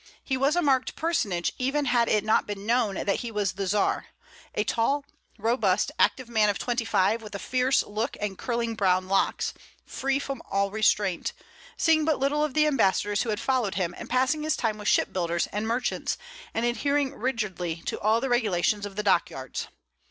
He was a marked personage, even had it not been known that he was the Czar, a tall, robust, active man of twenty five, with a fierce look and curling brown locks, free from all restraint, seeing but little of the ambassadors who had followed him, and passing his time with ship builders and merchants, and adhering rigidly to all the regulations of the dock yards.